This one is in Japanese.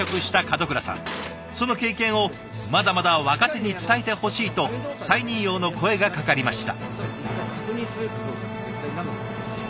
その経験をまだまだ若手に伝えてほしいと再任用の声がかかりました。